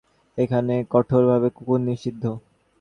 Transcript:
এখানে কঠোরভাবে কুকুর নিষিদ্ধ।